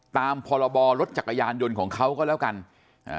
ตามพรบรรถจักรยานยนต์ของเขาก็แล้วกันอ่า